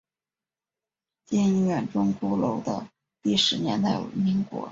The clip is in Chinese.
靖远钟鼓楼的历史年代为民国。